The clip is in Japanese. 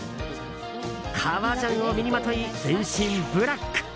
革ジャンを身にまとい全身ブラック！